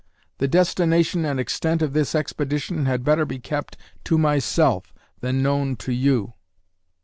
The destination and extent of this expedition had better be kept to myself than known to you.